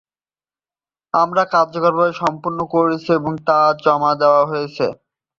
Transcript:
আমার কার্যভার সম্পন্ন হয়েছে এবং তা জমা দেওয়া হয়েছে।